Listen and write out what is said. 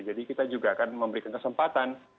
jadi kita juga akan memberikan kesempatan